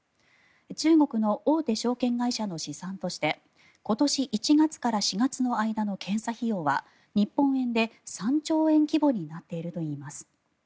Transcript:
中国の大手証券会社の試算として今年１月から４月の間の検査費用は日本円で３兆円規模になっているといいます。